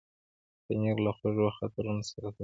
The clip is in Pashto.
پنېر له خوږو خاطرونو سره تړلی دی.